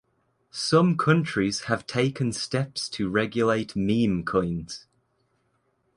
Some countries have taken steps to regulate meme coins.